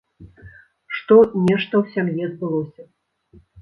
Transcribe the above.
Што нешта ў сям'і адбылося.